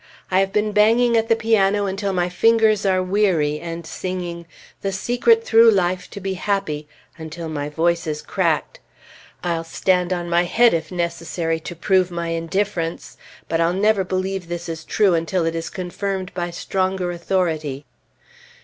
I have been banging at the piano until my fingers are weary, and singing "The Secret through Life to be Happy" until my voice is cracked; I'll stand on my head if necessary, to prove my indifference; but I'll never believe this is true until it is confirmed by stronger authority.